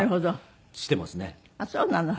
あっそうなの。